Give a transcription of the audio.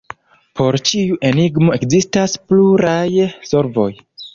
Por ĉiu enigmo ekzistas pluraj solvoj.